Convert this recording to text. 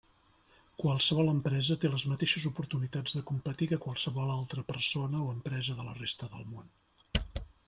Qualsevol empresa té les mateixes oportunitats de competir que qualsevol altra persona o empresa de la resta del món.